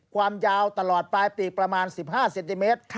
ความยาวตลอดปลายปีกประมาณ๑๕เซนติเมตร